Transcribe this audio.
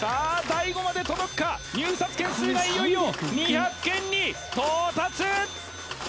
大悟まで届くか入札件数がいよいよ２００件に到達！